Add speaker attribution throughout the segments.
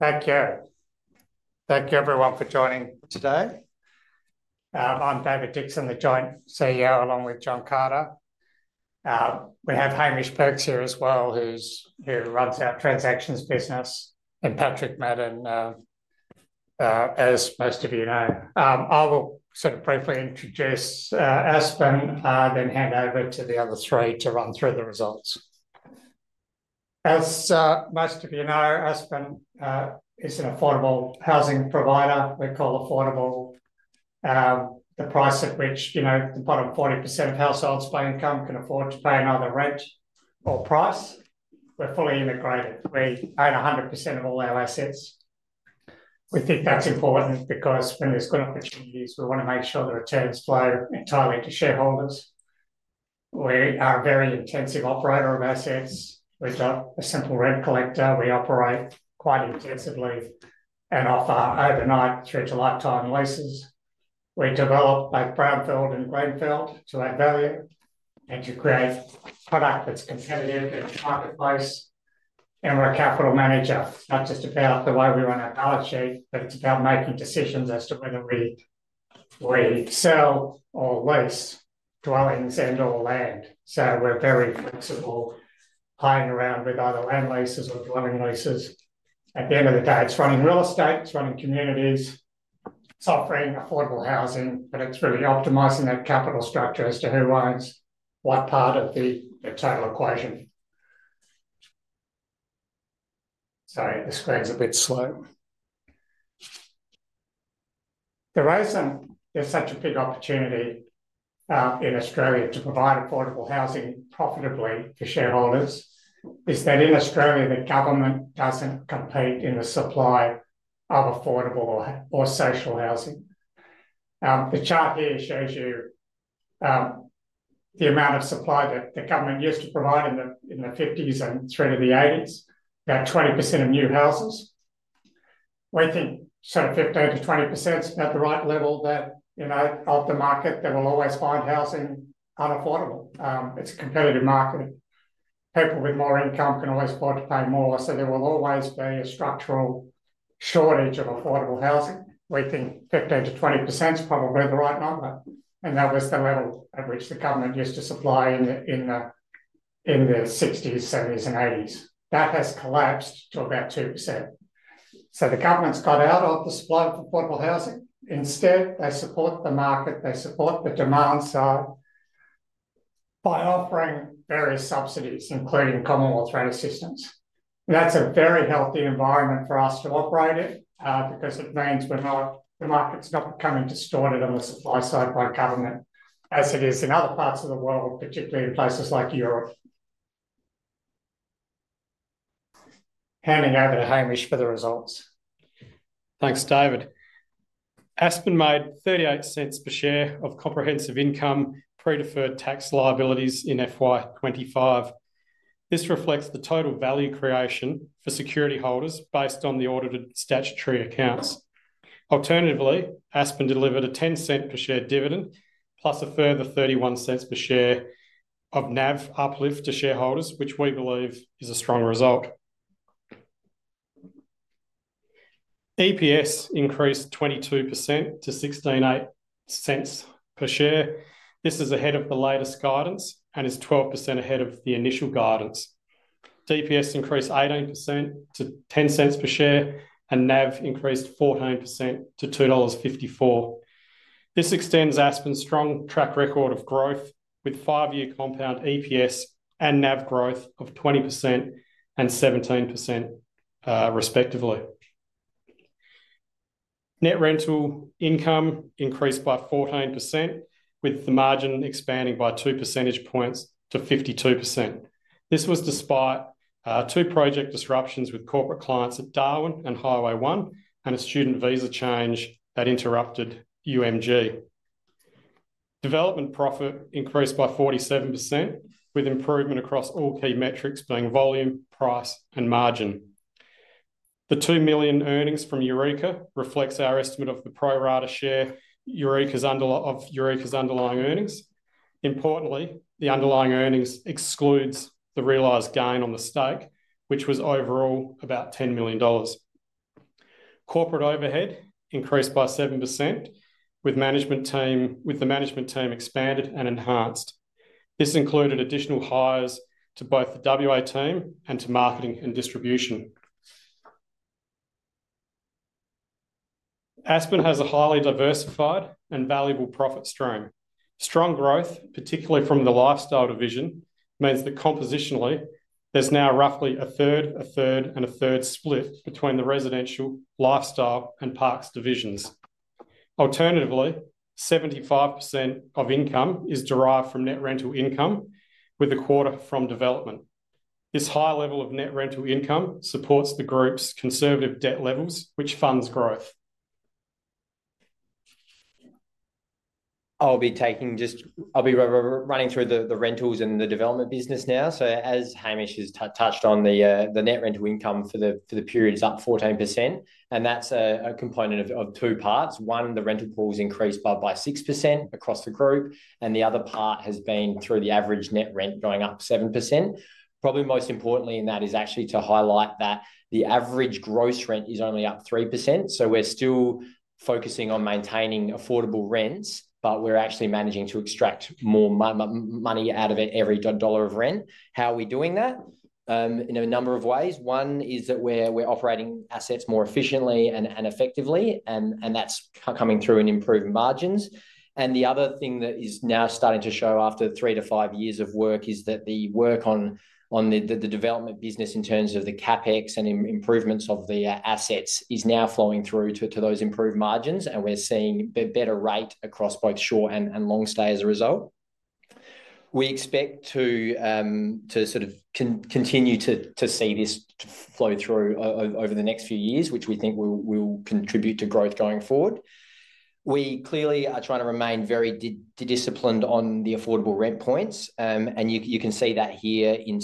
Speaker 1: Thank you. Thank you, everyone, for joining today. I'm David Dixon, the Joint CEO, along with John Carter. We have Hamish Perks here as well, who runs our Transactions business, and Patrick Maddern, as most of you know. I will briefly introduce Aspen, then hand over to the other three to run through the results. As most of you know, Aspen is an affordable housing provider. We call affordable the price at which the bottom 40% of households by income can afford to pay in either rent or price. We're fully integrated. We own 100% of all our assets. We think that's important because when there's good opportunities, we want to make sure the returns flow entirely to shareholders. We are a very intensive operator of assets. We're not a simple rent collector, we operate quite intensively and offer overnight through to lifetime leases. We develop both brownfield and greenfield to add value and to create product that's continued in time and place. We're a capital manager. It's not just about the way we run our balance sheet, but it's about making decisions as to whether we sell or lease dwellings and/or land. We're very flexible playing around with either land leases or dwelling leases. At the end of the day, it's running real estate, it's running communities, it's offering affordable housing, but it's really optimizing that capital structure as to who owns what part of the total equation. The reason there's such a big opportunity in Australia to provide affordable housing profitably to shareholders is that in Australia, the government doesn't compete in the supply of affordable or social housing. The chart here shows you the amount of supply that the government used to provide in the 1950s and through to the 1980s, about 20% of new houses. We think 15%-20% is the right level that, of the market, they will always find housing unaffordable. It's a competitive market. People with more income can always afford to pay more. There will always be a structural shortage of affordable housing. We think 15%-20% is probably the right number. That was the level at which the government used to supply in the 1960s, 1970s, and 1980s. That has collapsed to about 2%. The government's got out of the supply of affordable housing. Instead, they support the market, they support the demand side by offering various subsidies, including Commonwealth rent assistance. That's a very healthy environment for us to operate in because it means the market's not becoming distorted and less of a supply-side by government as it is in other parts of the world, particularly in places like Europe. Handing over to Hamish for the results.
Speaker 2: Thanks, David. Aspen made $0.38 per share of comprehensive income pre-deferred tax liabilities in FY2025. This reflects the total value creation for security holders based on the audited statutory accounts. Alternatively, Aspen delivered a $0.10 per share dividend plus a further $0.31 per share of NAV uplift to shareholders, which we believe is a strong result. EPS increased 22% to $0.168 per share. This is ahead of the latest guidance and is 12% ahead of the initial guidance. DPS increased 18% to $0.10 per share and NAV increased 14% to $2.54. This extends Aspen's strong track record of growth with five-year compound EPS and NAV growth of 20% and 17%, respectively. Net rental income increased by 14% with the margin expanding by two percentage points to 52%. This was despite two project disruptions with corporate clients at Darwin and Highway 1 and a student visa change that interrupted UMG. Development profit increased by 47% with improvement across all key metrics being volume, price, and margin. The $2 million earnings from Eureka reflect our estimate of the pro-rata share of Eureka's underlying earnings. Importantly, the underlying earnings exclude the realized gain on the stake, which was overall about $10 million. Corporate overhead increased by 7% with the management team expanded and enhanced. This included additional hires to both the WA team and to marketing and distribution. Aspen has a highly diversified and valuable profit stream. Strong growth, particularly from the lifestyle division, means that compositionally there's now roughly a third, a third, and a third split between the residential, lifestyle, and parks divisions. Alternatively, 75% of income is derived from net rental income with a quarter from development. This high level of net rental income supports the group's conservative debt levels, which funds growth.
Speaker 3: I'll be running through the rentals and the development business now. As Hamish has touched on, the net rental income for the period is up 14%. That's a component of two parts. One, the rental pool's increased by 6% across the group. The other part has been through the average net rent going up 7%. Probably most importantly in that is actually to highlight that the average gross rent is only up 3%. We're still focusing on maintaining affordable rents, but we're actually managing to extract more money out of every dollar of rent. How are we doing that? In a number of ways. One is that we're operating assets more efficiently and effectively, and that's coming through in improved margins. The other thing that is now starting to show after three to five years of work is that the work on the development business in terms of the CapEx and improvements of the assets is now flowing through to those improved margins, and we're seeing a better rate across both short and long stays as a result. We expect to continue to see this flow through over the next few years, which we think will contribute to growth going forward. We clearly are trying to remain very disciplined on the affordable rent points, and you can see that here in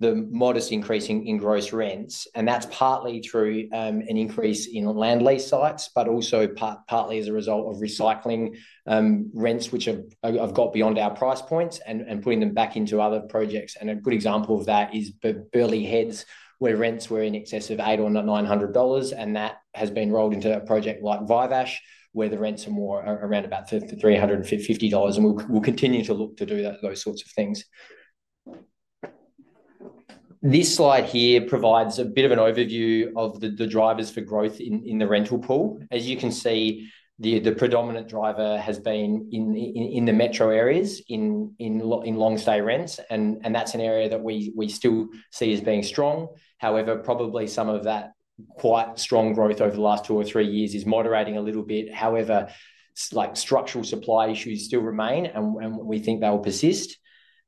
Speaker 3: the modest increasing in gross rents. That's partly through an increase in land lease sites, but also partly as a result of recycling rents which have got beyond our price points and putting them back into other projects. A good example of that is Burleigh Heads where rents were in excess of $800 or $900, and that has been rolled into a project like Viveash where the rents are more around about $350, and we'll continue to look to do those sorts of things. This slide here provides a bit of an overview of the drivers for growth in the rental pool. As you can see, the predominant driver has been in the metro areas in long stay rents, and that's an area that we still see as being strong. However, probably some of that quite strong growth over the last two or three years is moderating a little bit. However, structural supply issues still remain, and we think that will persist.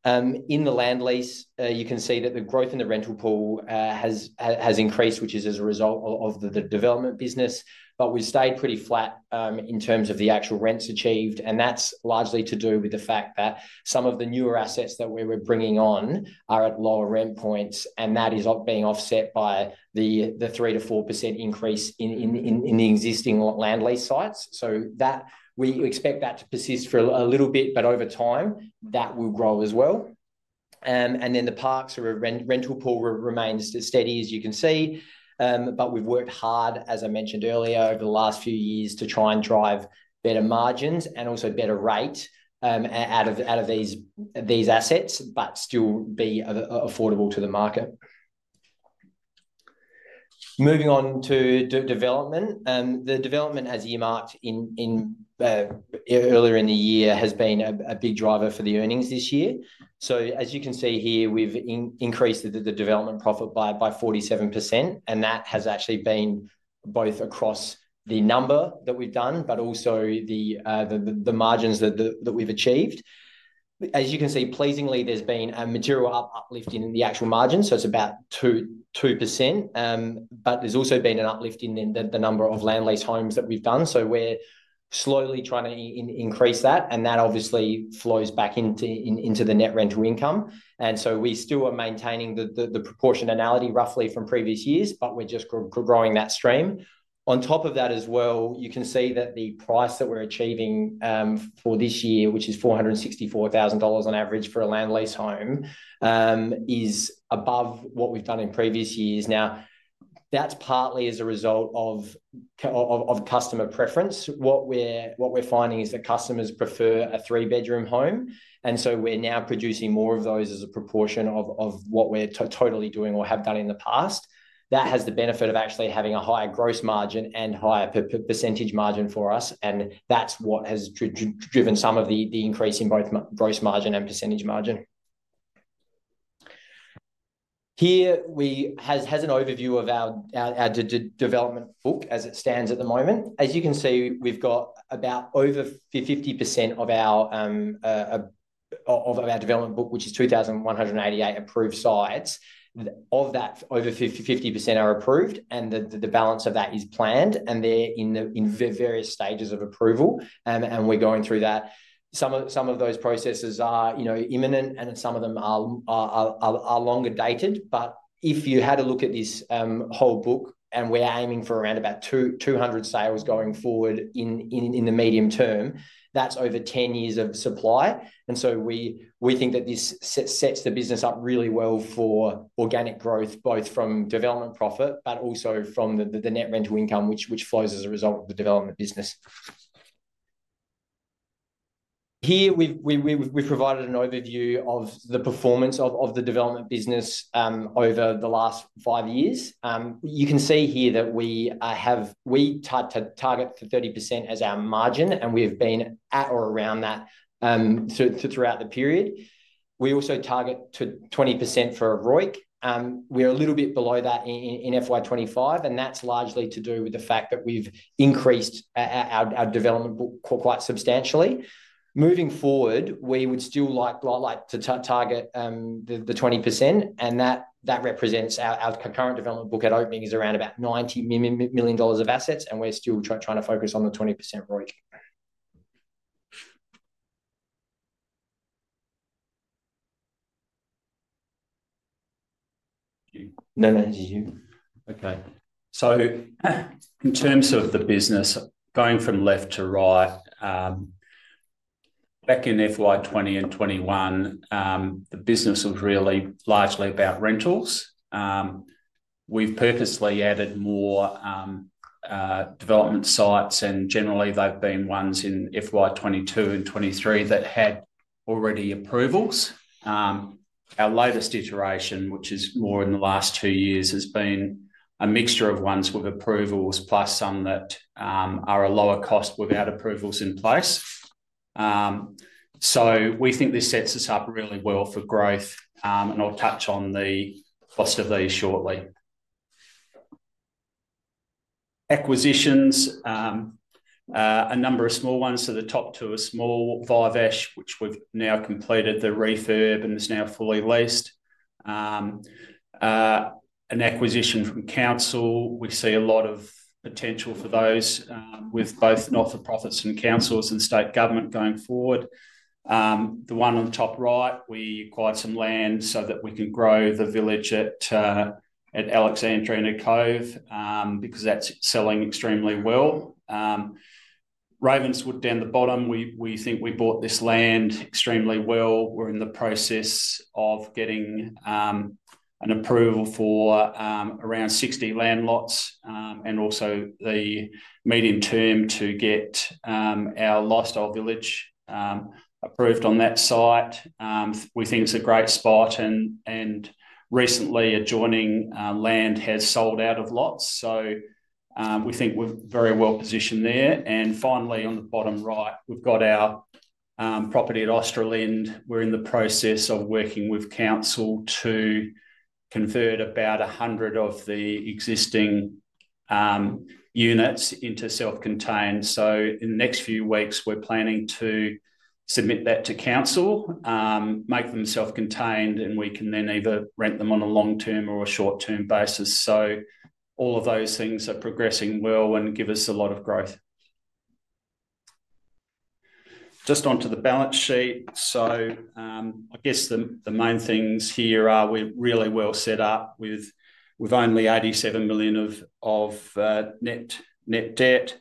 Speaker 3: In the land lease, you can see that the growth in the rental pool has increased, which is as a result of the development business, but we've stayed pretty flat in terms of the actual rents achieved, and that's largely to do with the fact that some of the newer assets that we're bringing on are at lower rent points, and that is being offset by the 3%-4% increase in the existing land lease sites. We expect that to persist for a little bit, but over time that will grow as well. The parks or rental pool remains steady, as you can see, but we've worked hard, as I mentioned earlier, over the last few years to try and drive better margins and also better rates out of these assets, but still be affordable to the market. Moving on to development, the development, as you marked earlier in the year, has been a big driver for the earnings this year. As you can see here, we've increased the development profit by 47%, and that has actually been both across the number that we've done, but also the margins that we've achieved. As you can see, pleasingly, there's been a material uplift in the actual margins, so it's about 2%, but there's also been an uplift in the number of land lease homes that we've done. We're slowly trying to increase that, and that obviously flows back into the net rental income. We still are maintaining the proportionality roughly from previous years, but we're just growing that stream. On top of that as well, you can see that the price that we're achieving for this year, which is $464,000 on average for a land lease home, is above what we've done in previous years. That's partly as a result of customer preference. What we're finding is that customers prefer a three-bedroom home, and so we're now producing more of those as a proportion of what we're totally doing or have done in the past. That has the benefit of actually having a higher gross margin and higher percentage margin for us, and that's what has driven some of the increase in both gross margin and percentage margin. Here we have an overview of our development book as it stands at the moment. As you can see, we've got about over 50% of our development book, which is 2,188 approved sites. Of that, over 50% are approved, and the balance of that is planned, and they're in various stages of approval, and we're going through that. Some of those processes are imminent, and some of them are longer dated. If you had a look at this whole book, and we're aiming for around about 200 sales going forward in the medium term, that's over 10 years of supply. We think that this sets the business up really well for organic growth, both from development profit, but also from the net rental income, which flows as a result of the development business. Here we've provided an overview of the performance of the development business over the last five years. You can see here that we target 30% as our margin, and we've been at or around that throughout the period. We also target 20% for a ROIC. We're a little bit below that in FY2025, and that's largely to do with the fact that we've increased our development book quite substantially. Moving forward, we would still like to target the 20%, and that represents our current development book at opening is around about $90 million of assets, and we're still trying to focus on the 20% ROIC.
Speaker 1: In terms of the business, going from left to right, back in FY2020 and 2021, the business was really largely about rentals. We've purposely added more development sites, and generally they've been ones in FY2022 and 2023 that had already approvals. Our latest iteration, which is more in the last two years, has been a mixture of ones with approvals plus some that are a lower cost without approvals in place. We think this sets us up really well for growth, and I'll touch on the cost of these shortly. Acquisitions, a number of small ones, so the top two are small, Viveash, which we've now completed the refurb and is now fully leased. An acquisition from council, we see a lot of potential for those with both not-for-profits and councils and state government going forward. The one on the top right, we acquired some land so that we can grow the village at Alexandrina Cove because that's selling extremely well. Ravenswood down the bottom, we think we bought this land extremely well. We're in the process of getting an approval for around 60 land lots and also the medium term to get our lifestyle village approved on that site. We think it's a great spot, and recently adjoining land has sold out of lots, so we think we're very well positioned there. Finally, on the bottom right, we've got our property at Australind. We're in the process of working with council to convert about 100 of the existing units into self-contained. In the next few weeks, we're planning to submit that to council, make them self-contained, and we can then either rent them on a long-term or a short-term basis. All of those things are progressing well and give us a lot of growth. Just onto the balance sheet. The main things here are we're really well set up with only $87 million of net debt.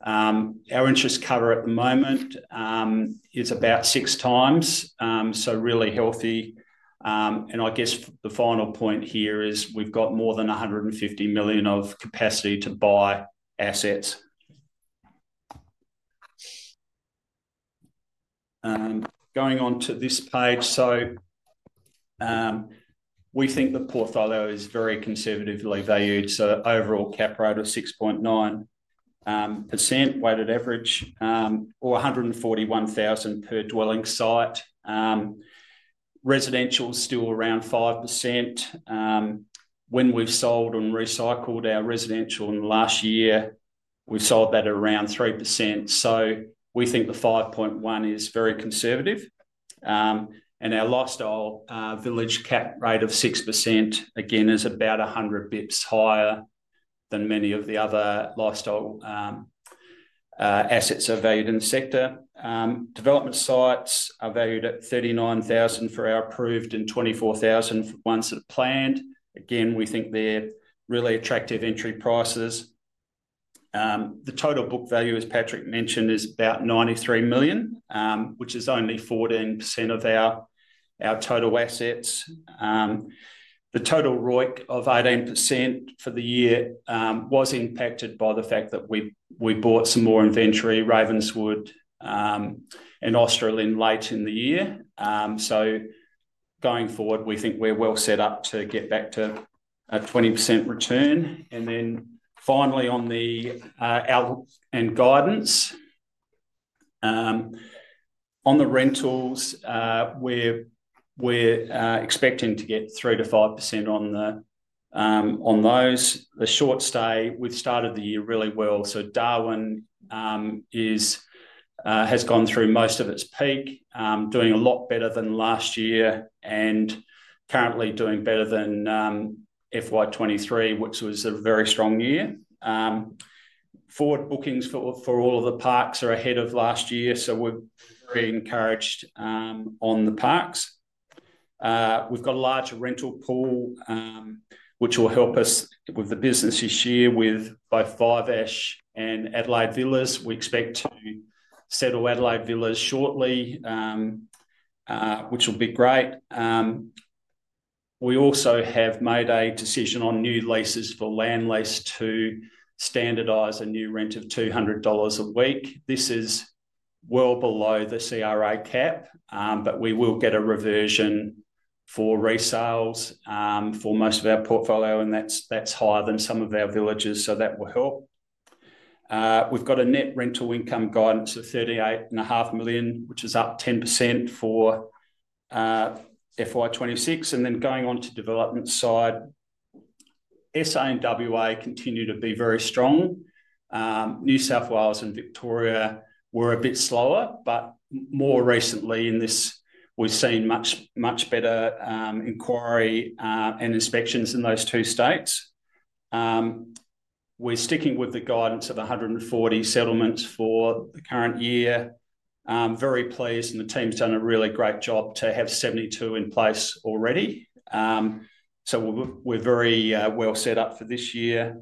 Speaker 1: Our interest cover at the moment is about 6x, so really healthy. The final point here is we've got more than $150 million of capacity to buy assets. Going on to this page, we think the portfolio is very conservatively valued. Overall cap rate of 6.9% weighted average or $141,000 per dwelling site. Residential is still around 5%. When we've sold and recycled our residential in the last year, we sold that at around 3%. We think the 5.1% is very conservative. Our lifestyle village cap rate of 6% again is about 100 basis points higher than many of the other lifestyle assets are valued in the sector. Development sites are valued at $39,000 for our approved and $24,000 for ones that are planned. Again, we think they're really attractive entry prices. The total book value, as Patrick mentioned, is about $93 million, which is only 14% of our total assets. The total ROIC of 18% for the year was impacted by the fact that we bought some more inventory, Ravenswood and Australind, late in the year. Going forward, we think we're well set up to get back to a 20% return. Finally, on the outlook and guidance on the rentals, we're expecting to get 3%-5% on those. The short stay, we've started the year really well. Darwin has gone through most of its peak, doing a lot better than last year and currently doing better than FY2023, which was a very strong year. Forward bookings for all of the parks are ahead of last year, so we're being encouraged on the parks. We've got a larger rental pool, which will help us with the business this year with both Viveash and Adelaide Villas. We expect to settle Adelaide Villas shortly, which will be great. We also have made a decision on new leases for land lease to standardize a new rent of $200 a week. This is well below the CRA cap, but we will get a reversion for resales for most of our portfolio, and that's higher than some of our villages, so that will help. We've got a net rental income guidance of $38.5 million, which is up 10% for FY2026. Going on to development side, SA and WA continue to be very strong. New South Wales and Victoria were a bit slower, but more recently in this, we've seen much, much better inquiry and inspections in those two states. We're sticking with the guidance of 140 settlements for the current year. I'm very pleased, and the team's done a really great job to have 72 in place already. We're very well set up for this year.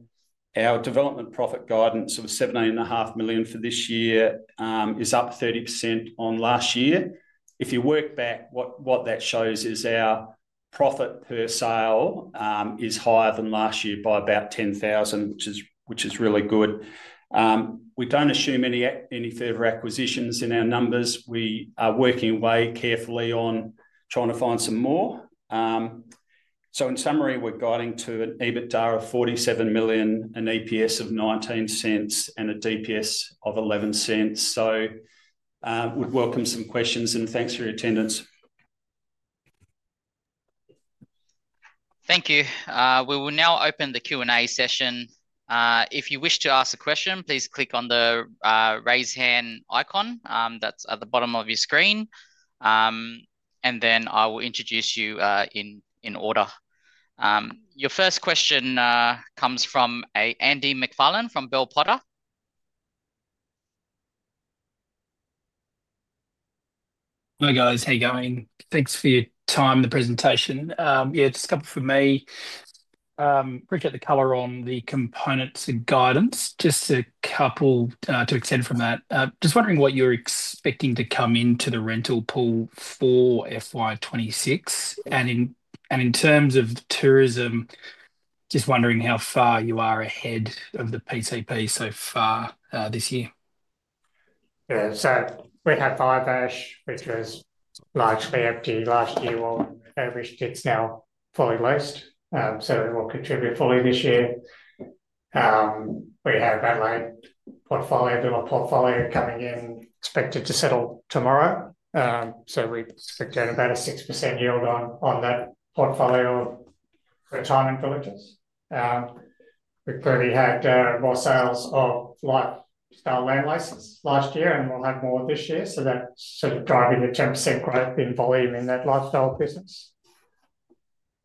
Speaker 1: Our development profit guidance of $17.5 million for this year is up 30% on last year. If you work back, what that shows is our profit per sale is higher than last year by about $10,000, which is really good. We don't assume any further acquisitions in our numbers. We are working way carefully on trying to find some more. In summary, we're guiding to an EBITDA of $47 million, an EPS of $0.19, and a DPS of $0.11. We'd welcome some questions, and thanks for your attendance.
Speaker 4: Thank you. We will now open the Q&A session. If you wish to ask a question, please click on the raise hand icon that's at the bottom of your screen, and then I will introduce you in order. Your first question comes from Andy McFarland from Bell Potter.
Speaker 5: Hello guys, how are you going? Thanks for your time and the presentation. Just a couple for me. Appreciate the color on the components and guidance. Just a couple to extend from that. Just wondering what you're expecting to come into the rental pool for FY2026. In terms of tourism, just wondering how far you are ahead of the PCP so far this year.
Speaker 1: Yeah, so we've had Viveash, which was largely empty last year. Ravenswood is now fully leased, so it will contribute fully this year. We have Adelaide portfolio coming in, expected to settle tomorrow. We've secured about a 6% yield on that portfolio of retirement villages. We've clearly had more sales of lifestyle land leases last year, and we'll have more this year. That's sort of driving the 10% growth in volume in that lifestyle business.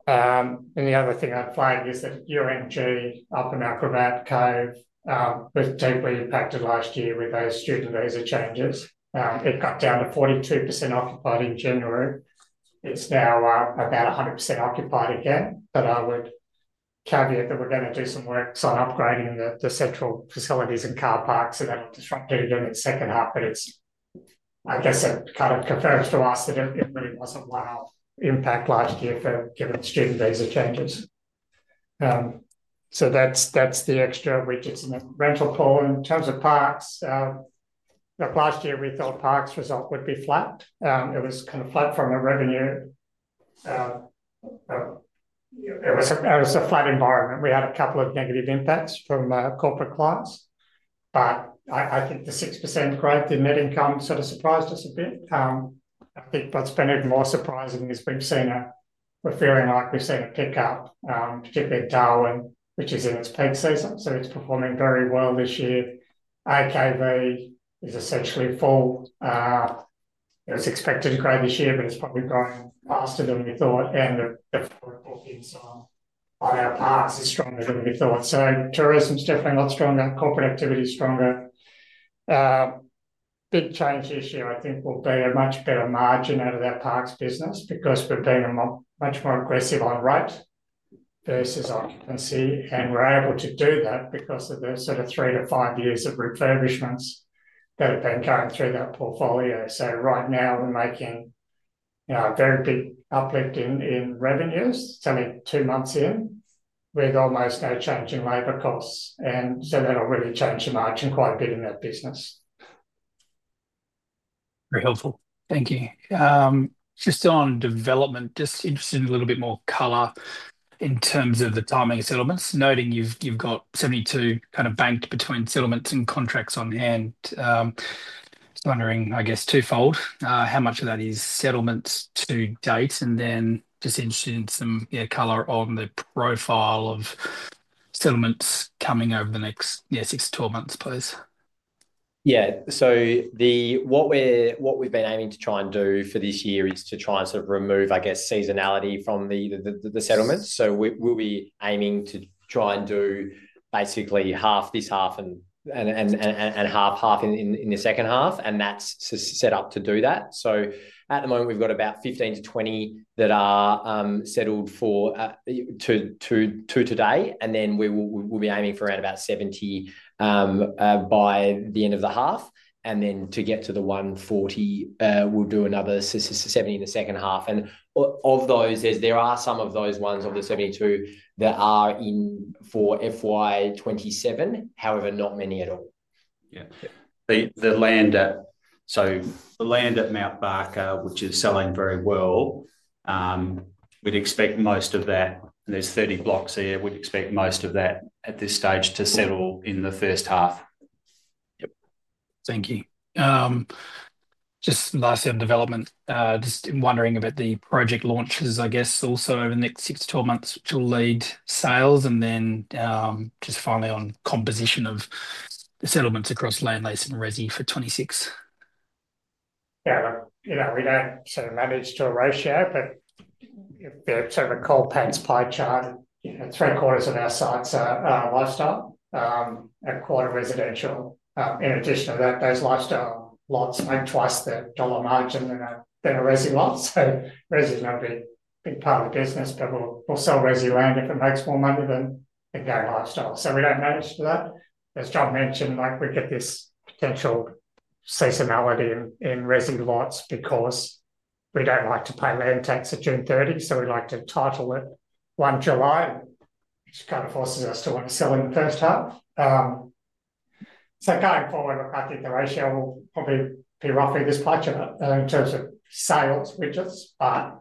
Speaker 1: The other thing I'd flag is that UMG up in Upper Mount Cove was deeply impacted last year with those student visa changes. It got down to 42% occupied in June. It's now about 100% occupied again. I would caveat that we're going to do some works on upgrading the central facilities and car parks, and that'll disrupt it again in its second half. I guess that kind of confirms to us that it really was a wild impact last year given student visa changes. That's the extra widgets in the rental pool. In terms of parks, last year we thought parks' result would be flat. It was kind of flat from a revenue. It was a flat environment. We had a couple of negative impacts from corporate clients, but I think the 6% growth in net income sort of surprised us a bit. I think what's been even more surprising is we're feeling like we've seen a kick-out, particularly Darwin, which is in its peak season. It's performing very well this year. AKV is essentially full. It was expected to grow this year, but it's probably gone faster than we thought, and the rents are stronger than we thought. Tourism's definitely a lot stronger. Corporate activity is stronger. Big change this year, I think, will be a much better margin out of our parks business because we're being much more aggressive on rates versus occupancy, and we're able to do that because of the sort of three to five years of refurbishments that have been going through that portfolio. Right now we're making a very big uplift in revenues. It's only two months in with almost no change in labor costs, and that'll really change the margin quite a bit in that business.
Speaker 5: Very helpful. Thank you. Just on development, just interested in a little bit more color in terms of the timing of settlements, noting you've got 72 kind of banked between settlements and contracts on hand. Just wondering, I guess, twofold, how much of that is settlements to date, and then just interested in some color on the profile of settlements coming over the next six to twelve months, please.
Speaker 3: Yeah, what we've been aiming to try and do for this year is to try and sort of remove, I guess, seasonality from the settlements. We'll be aiming to try and do basically half this half and half in the second half, and that's set up to do that. At the moment, we've got about 15-20 that are settled for today, and we'll be aiming for around about 70 by the end of the half. To get to the 140, we'll do another 70 in the second half. Of those, there are some of those ones of the 72 that are in for FY2027, however, not many at all. Yeah, the land at Mount Barker, which is selling very well, we'd expect most of that, and there's 30 blocks here, we'd expect most of that at this stage to settle in the first half.
Speaker 5: Thank you. Just lastly, on development, just wondering about the project launches, I guess, also over the next six to twelve months, which will lead sales, and then just finally on composition of the settlements across land lease and residence for 2026.
Speaker 1: Yeah, we're sort of managed to a ratio, but sort of a cold pants pie chart. Three quarters of our sites are lifestyle, a quarter residential. In addition to that, those lifestyle lots own twice the dollar margin than a residence lot. So residence is a big part of the business, but we'll sell residence around it, but makes more money than a gay lifestyle. We don't manage to that. As John mentioned, we get this potential seasonality in residence lots because we don't like to pay land tax at June 30th, so we like to title it July 1, which kind of forces us to want to sell in the first half. Going forward, I think the ratio will probably be roughly this much in terms of sales widgets, but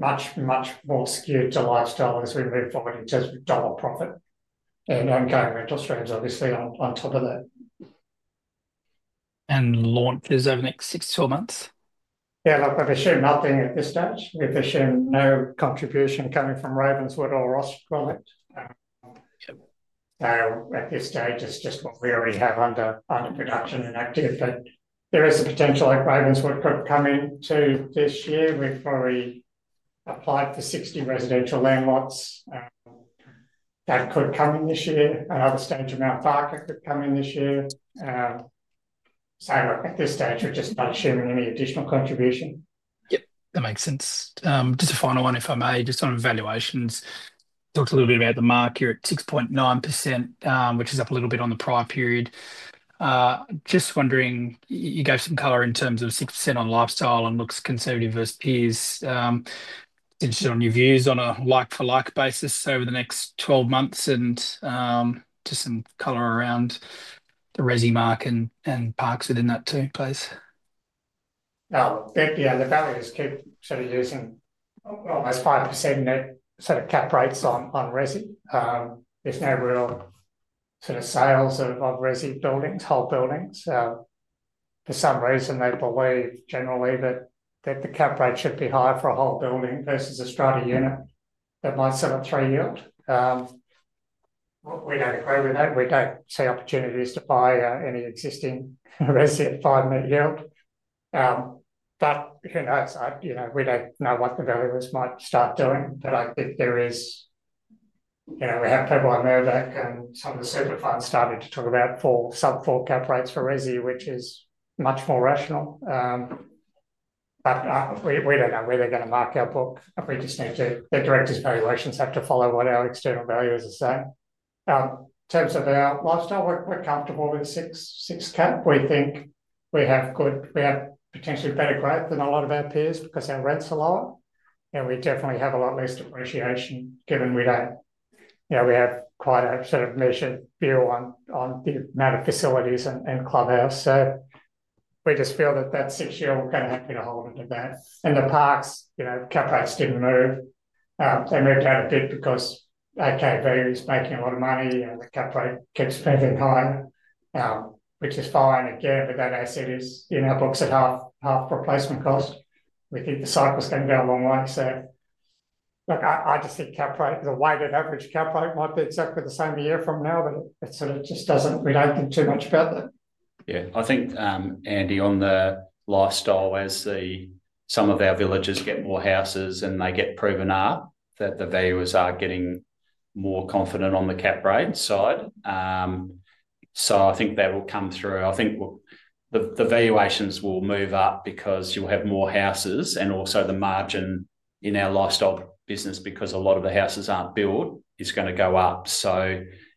Speaker 1: much, much more skewed to lifestyle as we move forward in terms of dollar profit and ongoing rental streams, obviously, on top of that.
Speaker 5: any launches over the next six to twelve months?
Speaker 1: Yeah, I'm not seeing anything at this stage. I'm seeing no contribution coming from Ravenswood or Viveash. At this stage, it's just what we already have under production and active. There is a potential that Ravenswood could come in too this year. We've already applied for 60 residential land lots that could come in this year. Another stage of Mount Barker could come in this year. At this stage, we're just not assuming any additional contribution.
Speaker 5: That makes sense. Just a final one, if I may, just on evaluations. Talked a little bit about the market at 6.9%, which is up a little bit on the prior period. Just wondering, you gave some color in terms of 6% on lifestyle and looks conservative versus peers. Interested on your views on a like-for-like basis over the next 12 months and just some color around the resi market and parks within that too, please.
Speaker 1: Yeah, the value is good. Sort of using almost 5% net sort of cap rates on resi. There's no real sort of sales of residence buildings, whole buildings. For some reason, they believe generally that the cap rate should be higher for a whole building versus a strata unit. It might sell at three yield. We don't see opportunities to buy any existing residence at 5% net yield. We don't know what the valuers might start doing. I think there is, you know, we had people like Murdoch and some of the certain funds starting to talk about sub-4% cap rates for residence, which is much more rational. We don't know where they're going to mark our book. We just need to, the directors' valuations have to follow what our external valuers are saying. In terms of our lifestyle, we're comfortable with the 6% cap. We think we have good, we have potentially better growth than a lot of our peers because our rents are lower. We definitely have a lot less depreciation given we don't, you know, we have quite a sort of measured view on the amount of facilities and clubhouse. We just feel that that 6% yield can help get a hold of that. The parks, you know, cap rates didn't move. They moved out a bit because AKV is making a lot of money. The cap rate keeps moving higher, which is fine. Again, that asset is in our books at half replacement cost. We think the cycle's going to go a long way. I just think cap rate, the weighted average cap rate might be exactly the same a year from now, but it sort of just doesn't, we don't think too much about that. Yeah.
Speaker 2: I think, Andy, on the lifestyle, as some of our villages get more houses and they get proven up, the valuers are getting more confident on the cap rate side. I think that will come through. I think the valuations will move up because you'll have more houses, and also the margin in our lifestyle business, because a lot of the houses aren't built, is going to go up.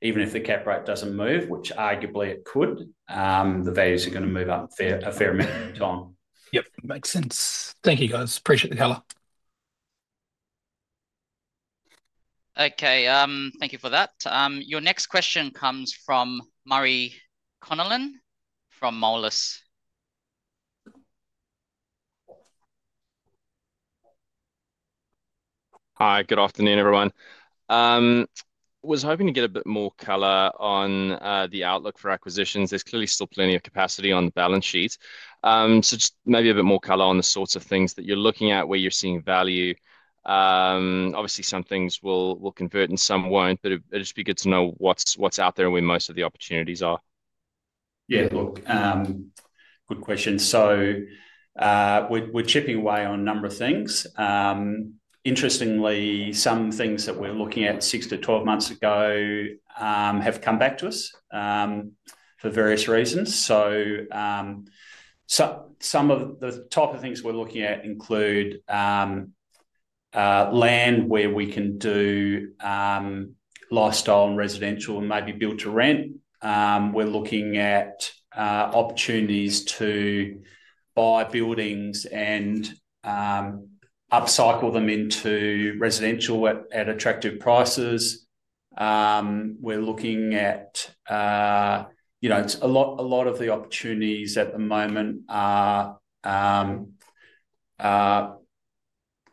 Speaker 2: Even if the cap rate doesn't move, which arguably it could, the values are going to move up a fair amount of time.
Speaker 5: Yep, makes sense. Thank you, guys. Appreciate the color.
Speaker 4: Okay, thank you for that. Your next question comes from Murray Connellan from Moelis.
Speaker 6: Hi, good afternoon everyone. I was hoping to get a bit more color on the outlook for acquisitions. There's clearly still plenty of capacity on the balance sheet. Just maybe a bit more color on the sorts of things that you're looking at, where you're seeing value. Obviously, some things will convert and some won't, but it'd just be good to know what's out there and where most of the opportunities are.
Speaker 3: Yeah, good question. We're chipping away on a number of things. Interestingly, some things that we were looking at six to twelve months ago have come back to us for various reasons. Some of the types of things we're looking at include land where we can do lifestyle and residential and maybe build to rent. We're looking at opportunities to buy buildings and upcycle them into residential at attractive prices. A lot of the opportunities at the moment are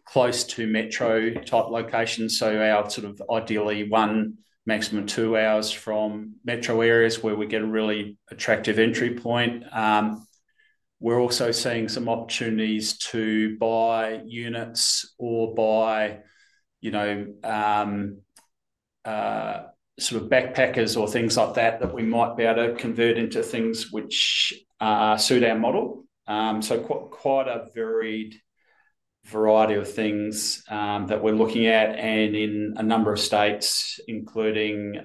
Speaker 3: close to metro type locations. Our sort of ideally one, maximum two hours from metro areas where we get a really attractive entry point. We're also seeing some opportunities to buy units or buy, you know, sort of backpackers or things like that that we might be able to convert into things which suit our model. Quite a varied variety of things that we're looking at and in a number of states, including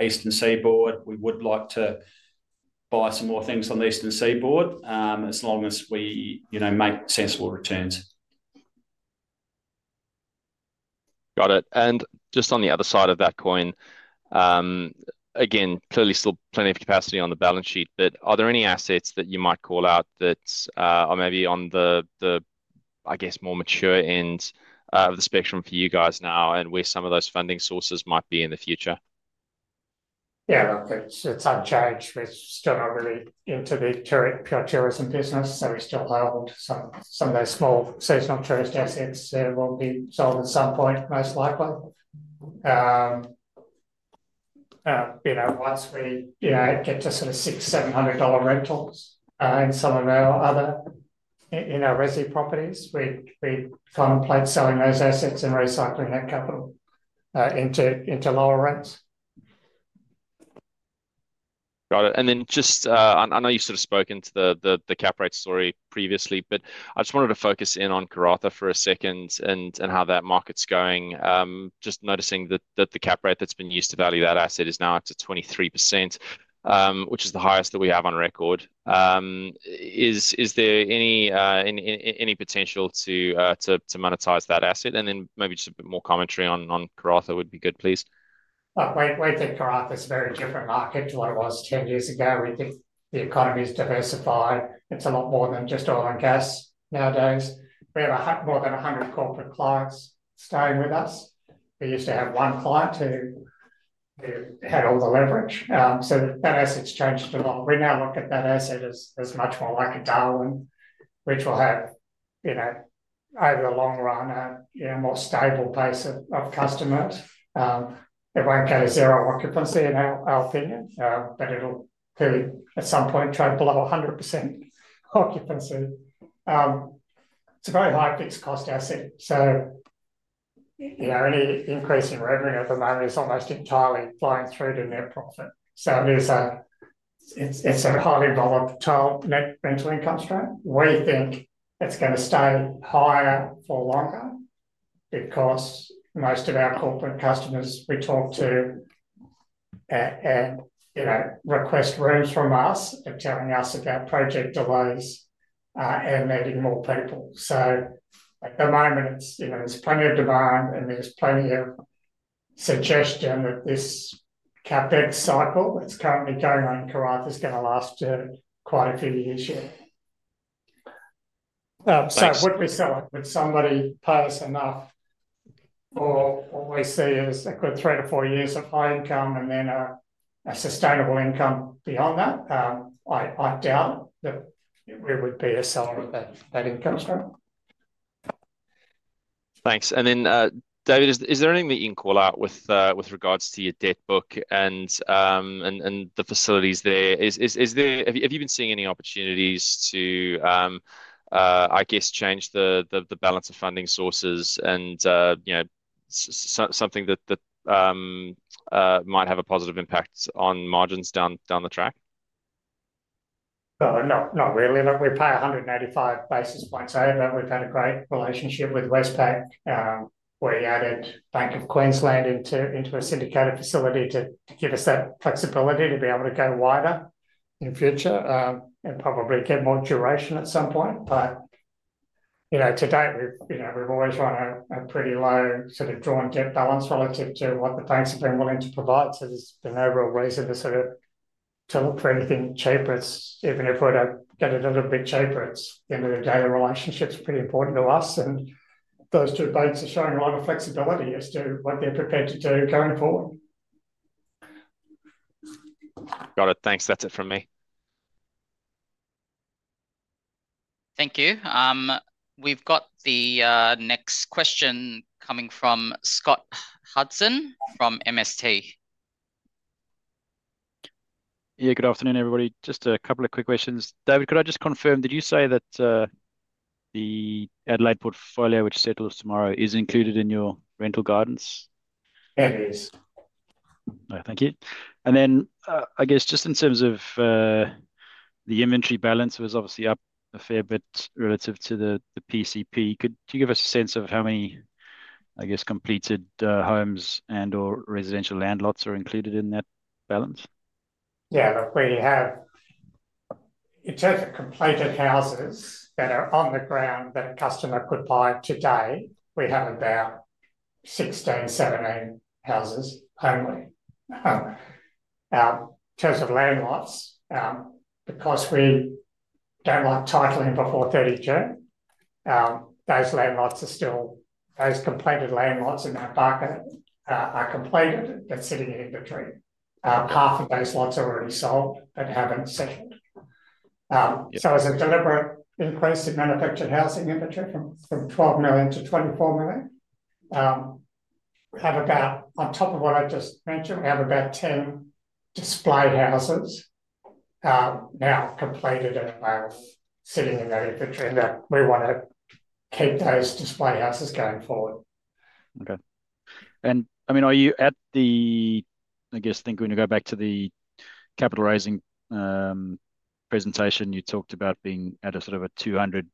Speaker 3: Eastern Seaboard. We would like to buy some more things on the Eastern Seaboard as long as we make sensible returns.
Speaker 6: Got it. Just on the other side of that coin, clearly still plenty of capacity on the balance sheet, but are there any assets that you might call out that are maybe on the, I guess, more mature end of the spectrum for you guys now and where some of those funding sources might be in the future?
Speaker 1: Yeah, look, it's unchanged. We're still not really into the tourism business. We still hold some of those small seasonal tourist assets. They will be sold at some point, most likely. Once we get to sort of $600, $700 rentals in some of our other resi properties, we plan on selling those assets and recycling that capital into lower rents.
Speaker 6: Got it. I know you've sort of spoken to the cap rate story previously, but I just wanted to focus in on Karratha for a second and how that market's going. Just noticing that the cap rate that's been used to value that asset is now up to 23%, which is the highest that we have on record. Is there any potential to monetize that asset? Maybe just a bit more commentary on Karratha would be good, please.
Speaker 1: I think Karratha is a very different market to what it was 10 years ago. The economy is diversified. It's a lot more than just oil and gas nowadays. We have more than 100 corporate clients staying with us. We used to have one client who had all the leverage. That asset's changed a lot. We now look at that asset as much more like a Darwin, which will have, you know, over the long run, a more stable base of customers. It won't get a zero occupancy in our opinion, but it'll be at some point below 100% occupancy. It's a very high fixed cost asset. Any increase in revenue at the moment is almost entirely flying through to net profit. It's a highly volatile net rental income strength. We think it's going to stay higher for longer because most of our corporate customers we talk to request rooms from us and tell us about project delays and needing more people. At the moment, there's plenty of demand and there's plenty of suggestion that this cap deck cycle that's currently going on in Karratha is going to last quite a few years yet. Would we sell it? Would somebody pay us enough or will we see a cycle of three to four years of high income and then a sustainable income beyond that? I doubt that we would be a seller with that income strength.
Speaker 6: Thanks. David, is there anything that you can call out with regards to your debt book and the facilities there? Have you been seeing any opportunities to change the balance of funding sources, something that might have a positive impact on margins down the track?
Speaker 1: Not really. We pay 185 basis points over. We've had a great relationship with Westpac. We added Bank of Queensland into a syndicated facility to give us that flexibility to be able to go wider in the future and probably get more duration at some point. To date, we've always run a pretty low sort of drawn debt balance relative to what the banks have been willing to provide. There's been no real reason to look for anything cheaper. Even if we don't get it a little bit cheaper, at the end of the day, the relationship's pretty important to us. Those two banks are showing a lot of flexibility as to what they're prepared to do going forward.
Speaker 6: Got it. Thanks. That's it from me.
Speaker 4: Thank you. We've got the next question coming from Scott Hudson from MST.
Speaker 7: Yeah, good afternoon everybody. Just a couple of quick questions. David, could I just confirm, did you say that the Adelaide portfolio, which settles tomorrow, is included in your rental guidance?
Speaker 1: It is.
Speaker 7: Thank you. I guess, just in terms of the inventory balance, it was obviously up a fair bit relative to the PCP. Could you give us a sense of how many completed homes and/or residential land lots are included in that balance?
Speaker 1: Yeah, look, we have, in terms of completed houses that are on the ground that a customer could buy today, we have about 16, 17 houses only. In terms of land lots, because we don't want titling before 2032, those land lots are still, those completed land lots in that bucket are completed. They're sitting in inventory. Half of those lots are already sold and haven't settled. As a deliberate increase in manufactured housing inventory from $12 million to $24 million, we have about, on top of what I just mentioned, we have about 10 display houses now completed and sitting in that inventory, and we want to keep those display houses going forward.
Speaker 7: Okay. I mean, are you at the, I guess, I think we're going to go back to the capital raising presentation you talked about being at a sort of a 200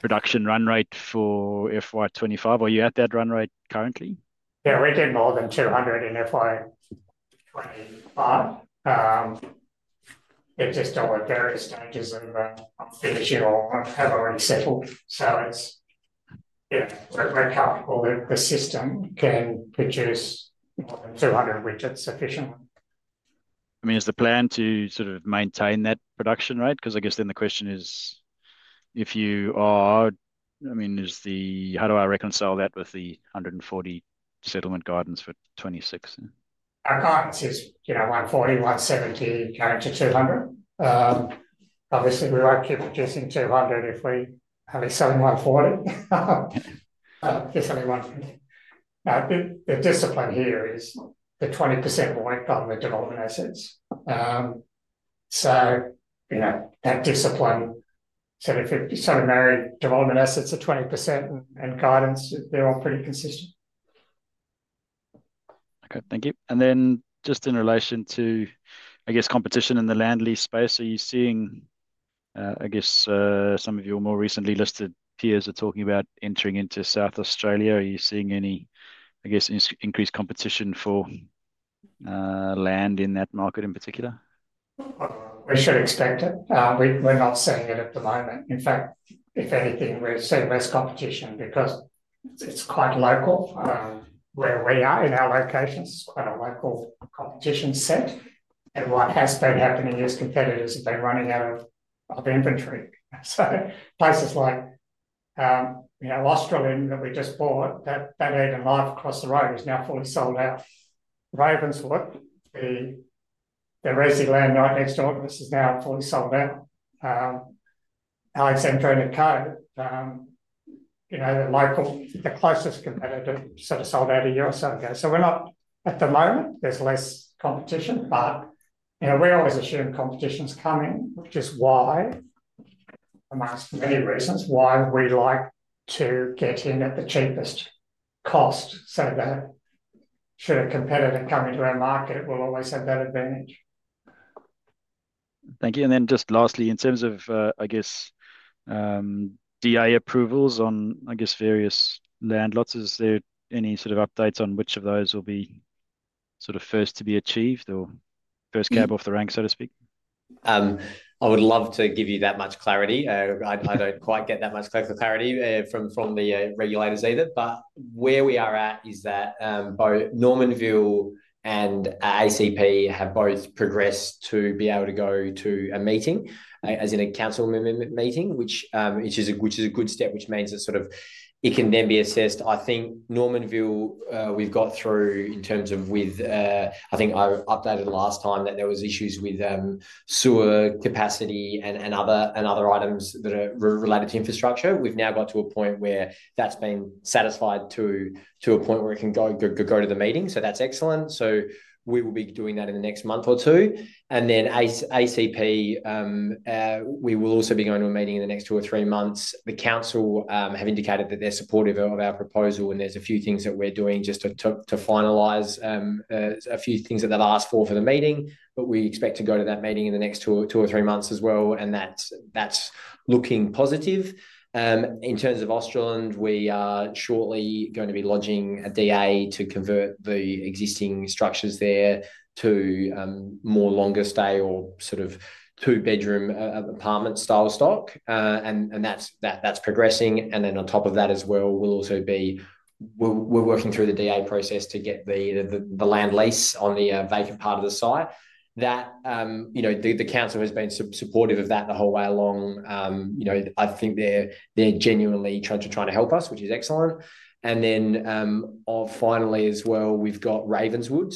Speaker 7: production run rate for FY2025. Are you at that run rate currently?
Speaker 1: Yeah, we're doing more than 200 in FY2025. It's just all at various stages of either issue or if it's settled. It's all the system can produce more than 200 widgets efficiently.
Speaker 7: Is the plan to sort of maintain that production rate? Because I guess the question is, if you are, how do I reconcile that with the 140 settlement guidance for 2026?
Speaker 1: Our guidance is, you know, 140, 170 going to 200. Obviously, we won't keep producing 200 if we are only selling 140. The discipline here is the 20% weight on the development assets. That discipline, sort of if you're trying to marry development assets to 20% and guidance, they're all pretty consistent.
Speaker 7: Thank you. Just in relation to competition in the land lease space, are you seeing some of your more recently listed peers talking about entering into South Australia? Are you seeing any increased competition for land in that market in particular?
Speaker 1: We should expect it. We're not seeing it at the moment. In fact, if anything, we're seeing less competition because it's quite local where we are in our locations. It's quite a local competition set. What has been happening is competitors have been running out of inventory. Places like, you know, Australind that we just bought, that Eden Life across the road is now fully sold out. Ravenswood, the resident land right next to August, is now fully sold out. Alexandra in the Cove, you know, the local, the closest competitor sort of sold out a year or so ago. We're not, at the moment, there's less competition, but you know, we always assume competition's coming, which is why, amongst many reasons, why we like to get in at the cheapest cost so that should a competitor come into our market, it will always have that advantage.
Speaker 7: Thank you. Lastly, in terms of DA approvals on various land lots, is there any sort of updates on which of those will be first to be achieved or first cab off the rank, so to speak?
Speaker 3: I would love to give you that much clarity. I don't quite get that much clarity from the regulators either, but where we are at is that both Normanville and ACP have both progressed to be able to go to a meeting, as in a council member meeting, which is a good step, which means that it can then be assessed. I think Normanville, we've got through in terms of with, I think I updated last time that there were issues with sewer capacity and other items that are related to infrastructure. We've now got to a point where that's been satisfied to a point where it can go to the meeting. That's excellent. We will be doing that in the next month or two. ACP, we will also be going to a meeting in the next two or three months. The council have indicated that they're supportive of our proposal and there's a few things that we're doing just to finalize a few things that they'll ask for for the meeting. We expect to go to that meeting in the next two or three months as well, and that's looking positive. In terms of Australind, we are shortly going to be lodging a DA to convert the existing structures there to more longer stay or sort of two-bedroom apartment style stock. That's progressing. On top of that as well, we're working through the DA process to get the land lease on the vacant part of the site. The council has been supportive of that the whole way along. I think they're genuinely trying to try to help us, which is excellent. Finally as well, we've got Ravenswood.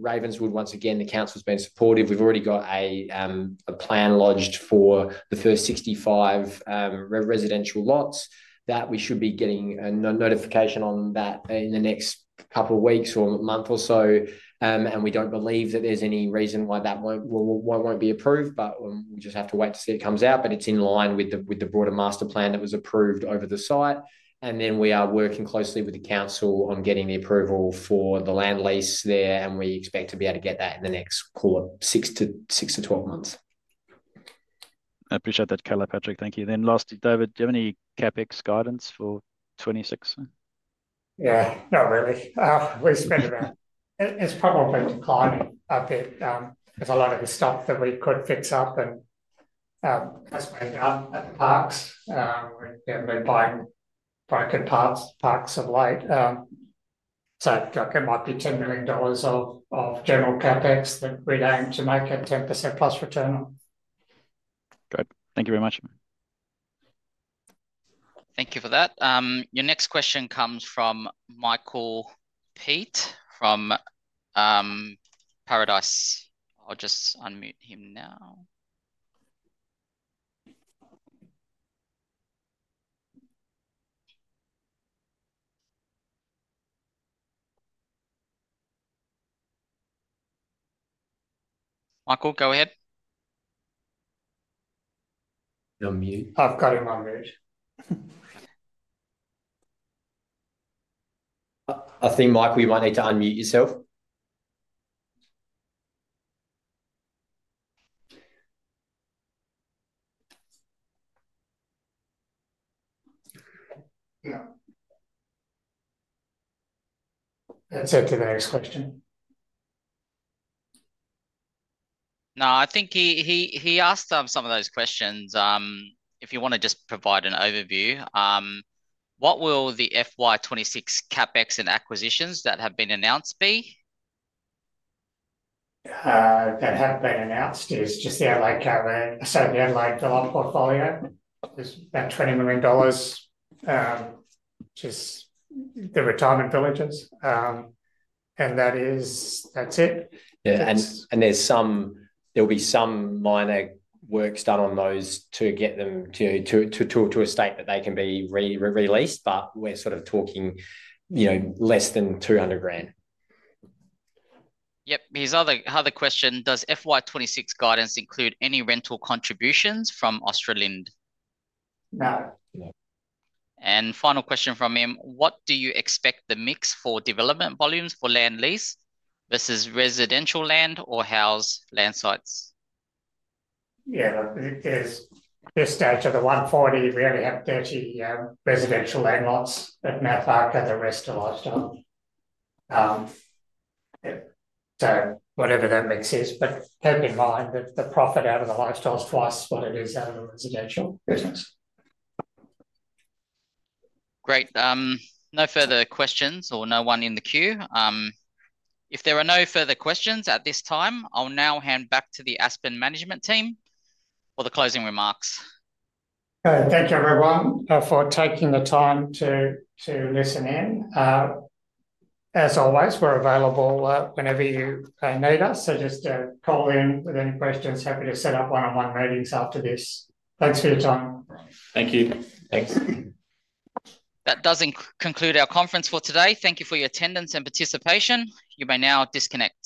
Speaker 3: Ravenswood, once again, the council's been supportive. We've already got a plan lodged for the first 65 residential lots. We should be getting a notification on that in the next couple of weeks or a month or so. We don't believe that there's any reason why that won't be approved, but we just have to wait to see it comes out. It's in line with the broader master plan that was approved over the site. We are working closely with the council on getting the approval for the land lease there. We expect to be able to get that in the next six to twelve months.
Speaker 7: I appreciate that color, Patrick. Thank you. Lastly, David, do you have any CapEx guidance for 2026?
Speaker 1: Not really. We spend about, it's probably declined a bit because a lot of the stuff that we could fix up and just moved on. Parks, we've been buying broken parks of late. It might be $10 million of general CapEx that we're aiming to make a 10% plus return.
Speaker 7: Good. Thank you very much.
Speaker 4: Thank you for that. Your next question comes from Michael Peet from Paradice. I'll just unmute him now. Michael, go ahead.
Speaker 8: You're on mute.
Speaker 1: I've got him on mute.
Speaker 8: I think, Michael, you might need to unmute yourself.
Speaker 1: Is that to various questions?
Speaker 4: No, I think he asked some of those questions. If you want to just provide an overview, what will the FY26 CapEx and acquisitions that have been announced be?
Speaker 1: That have been announced is just the Adelaide Government, so the Adelaide Villas portfolio. There's about $20 million, which is the retirement villages. That is it.
Speaker 3: Yeah, there'll be some minor works done on those to get them to a state that they can be released, but we're sort of talking, you know, less than $200,000.
Speaker 4: Yep. His other question, does FY26 guidance include any rental contributions from Australind?
Speaker 1: No.
Speaker 4: What do you expect the mix for development volumes for land lease versus residential land or house land sites?
Speaker 1: Yeah, look, at this stage of the 140, we only have 30 residential land lots at Mount Barker, the rest are lifestyle. Whatever that mix is, but keep in mind that the profit out of the lifestyle is twice what it is out of the residential.
Speaker 4: Great. No further questions or no one in the queue. If there are no further questions at this time, I'll now hand back to the Aspen management team for the closing remarks.
Speaker 1: Thank you, everyone, for taking the time to listen in. As always, we're available whenever you need us. Just call in with any questions. Happy to set up one-on-one meetings after this. Thanks for your time.
Speaker 8: Thank you.
Speaker 4: Thanks. That does conclude our conference for today. Thank you for your attendance and participation. You may now disconnect.